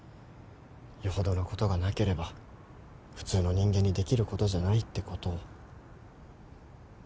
よほどのことがなければ普通の人間にできることじゃないってことを。